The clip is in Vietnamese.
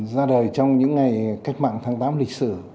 ra đời trong những ngày cách mạng tháng tám lịch sử